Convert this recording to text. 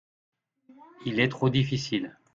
… il est trop difficile.